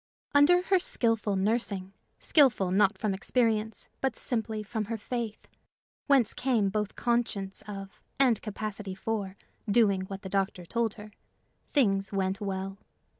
Under her skillful nursing skillful, not from experience, but simply from her faith, whence came both conscience of and capacity for doing what the doctor told her things went well.